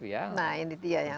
nah ini dia yang